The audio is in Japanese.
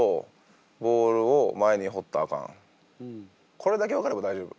これだけ分かれば大丈夫。